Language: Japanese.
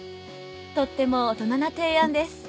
とっても大人な提案です。